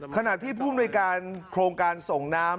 ขณะที่ผู้มนุยการโครงการส่งน้ำ